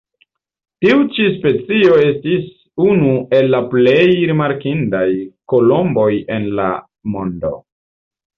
Tiu ĉi specio estis unu el la plej rimarkindaj kolomboj en la mondo.